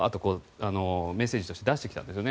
メッセージとして出してきたわけですよね。